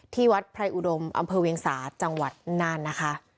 ที่วัดไพรอุดมอำเภอเวียงสาจังหวัดน่านนะคะ